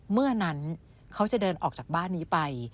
เมื่อนั้นเขาจะเดินออกจากบ้านนี้ไป